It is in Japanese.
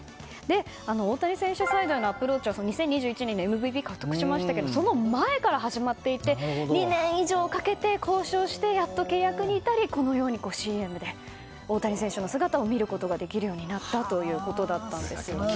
大谷選手サイドへのアプローチは２０２１年にＭＶＰ獲得しましたけれどその前から始まっていて２年以上かけて交渉してやっと契約に至りこのようにＣＭで大谷選手の姿を見ることができるようになったということです。